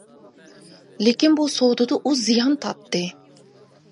لېكىن بۇ سودىدا ئۇ زىيان تارتتى.